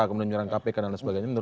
kemudian menyerang kpk dan lain sebagainya